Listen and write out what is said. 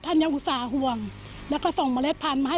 ท่านยาวุศาห่วงและก็ส่งเมล็ดพันธุ์มาให้